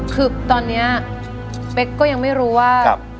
คือตอนนี้เป๊กก็ยังไม่รู้ว่า